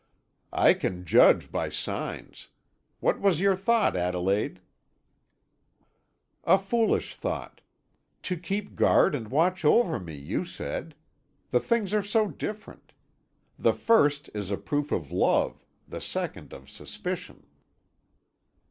"I can judge by signs. What was your thought, Adelaide?" "A foolish thought. To keep guard and watch over me, you said. The things are so different. The first is a proof of love, the second of suspicion."